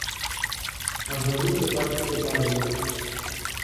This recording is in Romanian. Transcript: Aș dori să fac câteva remarci.